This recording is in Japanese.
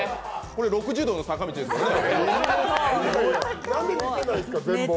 これ６０度の坂道ですよね。